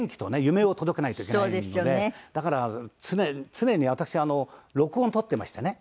夢を届けないといけないのでだから常に私録音とってましてね